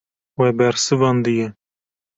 We bersivandiye.